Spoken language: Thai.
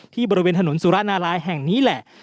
ที่บริเวณถนนสุราณารายย์แห่งนี้แหละ